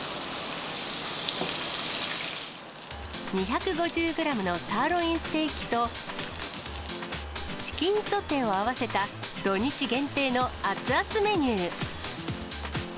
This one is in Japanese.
２５０グラムのサーロインステーキと、チキンソテーを合わせた土日限定の熱々メニュー。